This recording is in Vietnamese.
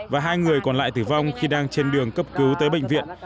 và hai người còn lại tử vong khi đang trên đường cấp cứu tới bệnh viện